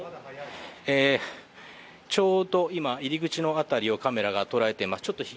ちょうど今、入り口の辺りをカメラが捉えています。